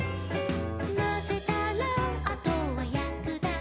「まぜたらあとはやくだけで」